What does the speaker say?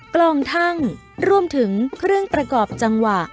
กลองทั่งรวมถึงเครื่องประกอบจังหวะ